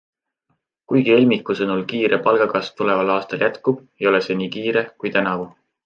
Kuigi Elmiku sõnul kiire palgakasv tuleval aastal jätkub, ei ole see nii kiire kui tänavu.